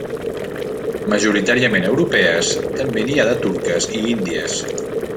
Majoritàriament europees, també n'hi ha de turques i índies.